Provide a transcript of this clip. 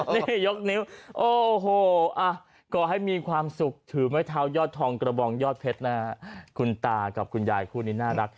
นี่ยกนิ้วโอ้โหก่อให้มีความสุขถือไม้เท้ายอดทองกระบองยอดเพชรนะฮะคุณตากับคุณยายคู่นี้น่ารัก